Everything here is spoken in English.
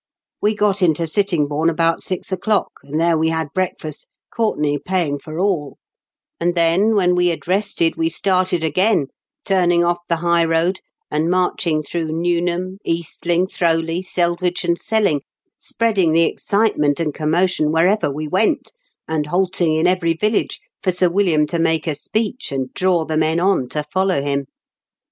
We got into Sittingbourne about six o'clock, and there we had breakfast, Courtenay paying for all ; and then, when we had rested, we started again, turning off the high road, and marching through Newnham, Eastling, Throwley, Seldwich, and Selling, spreading the excitement and commotion wherever we went, and halting in every village for Sir William to make a speech and draw the men on to follow him.